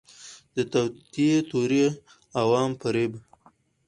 د توطئې تیوري، عوام فریب